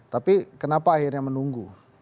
tapi kenapa akhirnya menunggu